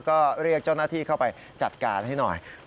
ก็เรียกเจ้าหน้าที่เข้าไปจัดการให้หน่อย